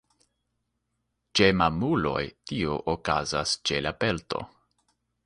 Ĉe mamuloj tio okazas ĉe la pelto.